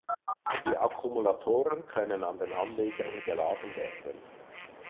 Die Akkumulatoren können an den Anlegern geladen werden.